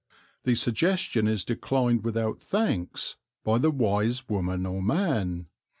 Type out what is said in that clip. The suggestion is declined without thanks by the wise woman or man.